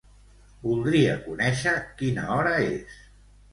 Voldria conèixer quina hora és.